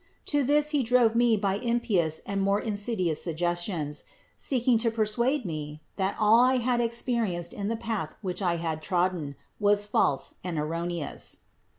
To this he drove me by impious and most insidious suggestions, seeking to persuade me, that all that I had experienced in the path which I had trodden, was false and erroneous.